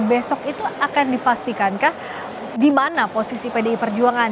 besok itu akan dipastikankah di mana posisi pdi perjuangan